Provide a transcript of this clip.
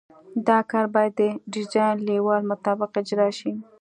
دا کار باید د ډیزاین لیول مطابق اجرا شي